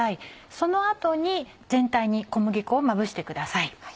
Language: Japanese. その後に全体に小麦粉をまぶしてください。